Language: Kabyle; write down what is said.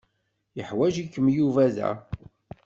Yeḥwaǧ-ikem Yuba da.